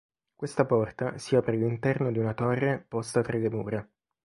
Questa porta si apre all'interno di una torre posta tra le mura.